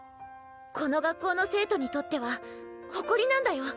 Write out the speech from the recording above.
この学校の生徒にとっては誇りなんだよ。